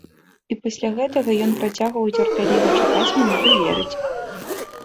І пасля гэтага ён працягваў цярпліва чакаць мяне і верыць.